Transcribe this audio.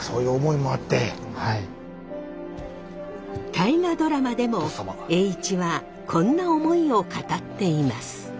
「大河ドラマ」でも栄一はこんな思いを語っています。